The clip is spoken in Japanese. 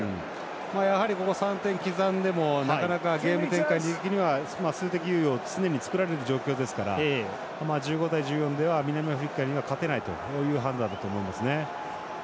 やはり３点刻んでもなかなかゲーム展開的には数的優位を作られる状況ですから１５対１４では、南アフリカには勝てないという判断だと思います。